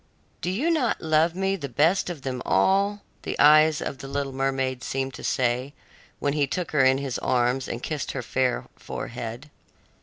"Do you not love me the best of them all?" the eyes of the little mermaid seemed to say when he took her in his arms and kissed her fair forehead.